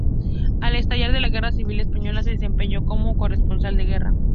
Al estallar la Guerra Civil Española se desempeñó como corresponsal de guerra.